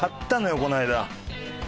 この間。